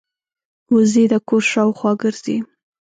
وزې د کور شاوخوا ګرځي